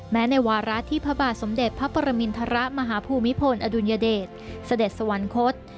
ในวาระที่พระบาทสมเด็จพระปรมินทรมาฮภูมิพลอดุลยเดชเสด็จสวรรคต